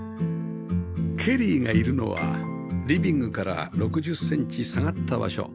ケリーがいるのはリビングから６０センチ下がった場所